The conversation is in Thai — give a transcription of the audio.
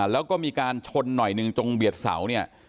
แล้วก็มีการชนหน่อยหนึ่งจงเบียดเสาเนี่ย